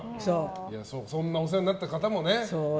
そんなお世話になった方もね。